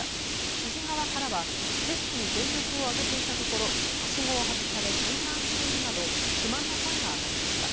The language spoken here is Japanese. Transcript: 知事側からは接種に全力を挙げていたところはしごを外され混乱しているなど不満の声が上がりました。